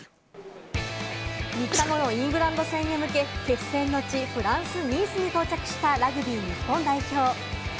３日後のイングランド戦へ向け、決戦の地、フランス・ニースに到着したラグビー日本代表。